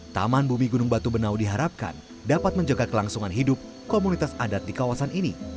taman bumi gunung batu benau diharapkan dapat menjaga kelangsungan hidup komunitas adat di kawasan ini